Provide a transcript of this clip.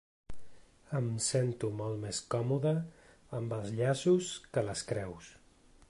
Em sento molt més còmoda amb els llaços que les creus.